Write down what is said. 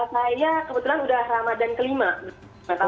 saya kebetulan udah ramadhan kelima